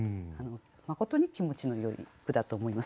まことに気持ちのよい句だと思います。